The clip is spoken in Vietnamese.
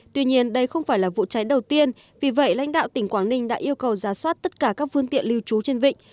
tuy nhiên đây không phải là vụ cháy đầu tiên vì vậy lãnh đạo tỉnh quảng ninh đã yêu cầu giá soát tất cả các phương tiện lưu trú trên vịnh